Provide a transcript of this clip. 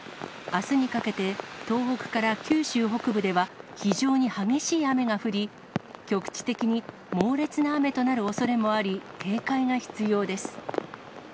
あすにかけて、東北から九州北部では、非常に激しい雨が降り、局地的に猛烈な雨となるおそれもあり、警戒が必要です。